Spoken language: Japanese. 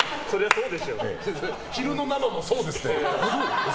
昼の生もそうですよ。